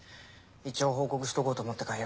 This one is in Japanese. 一応報告しとこうと思ったかいよ。